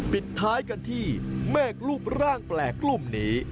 ปิดท้ายกันที่เมฆรูปร่างแปลกกลุ่มนี้